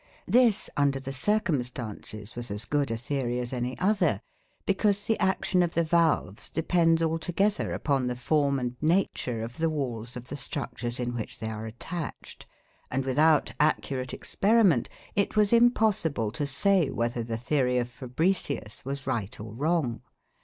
This, under the circumstances, was as good a theory as any other, because the action of the valves depends altogether upon the form and nature of the walls of the structures in which they are attached; and without accurate experiment, it was impossible to say whether the theory of Fabricius was right or wrong.